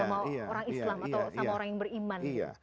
atau sama orang yang beriman